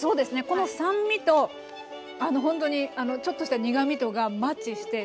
この酸味とあのほんとにちょっとした苦みとがマッチして。